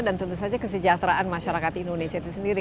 tentu saja kesejahteraan masyarakat indonesia itu sendiri